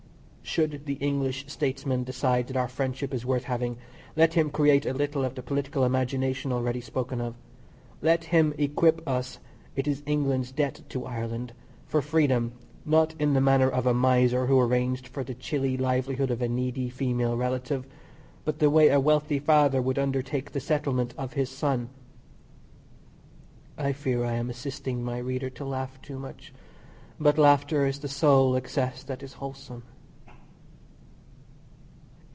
Should the English Statesman decide that our friendship is worth having let him create a little of the political imagination already spoken of. Let him equip us (it is England's debt to Ireland) for freedom, not in the manner of a miser who arranges for the chilly livelihood of a needy female relative; but the way a wealthy father would undertake the settlement of his son. I fear I am assisting my reader to laugh too much, but laughter is the sole excess that is wholesome.